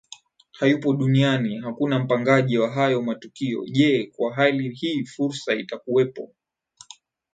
hayupo duniani hakuna mpangaji wa hayo matukio Je kwa hali hii Fursa itakuwepo